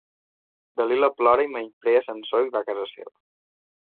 Dalila plora i menysprea Samsó i va a casa seva.